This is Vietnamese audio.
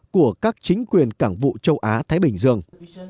của các chính quyền cảng vụ châu á thái bình dương